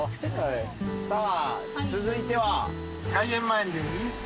さあ続いては？